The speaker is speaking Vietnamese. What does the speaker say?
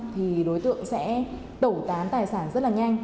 thì đối tượng sẽ tẩu tán tài sản rất là nhanh